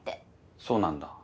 そうなんだ。